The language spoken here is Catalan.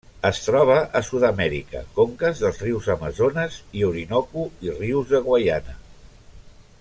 Es troba a Sud-amèrica: conques dels rius Amazones i Orinoco, i rius de Guaiana.